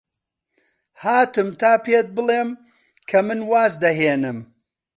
هاتم تا پێت بڵێم کە من واز دەهێنم.